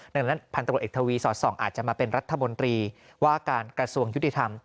ดังนั้นพันตรวจเอกทวีสอดส่องอาจจะมาเป็นรัฐมนตรีว่าการกระทรวงยุติธรรม